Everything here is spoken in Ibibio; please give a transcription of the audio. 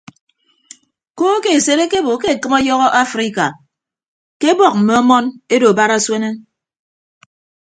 Koo ke esed ekebo ke ekịm ọyọhọ afrika ke ebọk mme ọmọn edo barasuen.